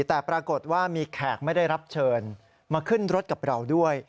แต่ปรากฏว่ามีแขกไม่ได้รับเชิญมาขึ้นรถกับเราด้วย